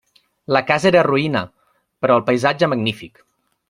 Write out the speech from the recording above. La casa era roïna, però el paisatge magnífic.